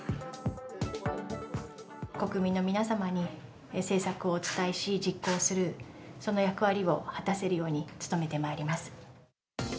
国民の皆様に、政策をお伝えし、実行する、その役割を果たせるようつとめてまいります。